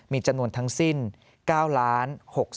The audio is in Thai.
มีจำนวนทั้งสิ้น๙๖๗๒๑๖๓คน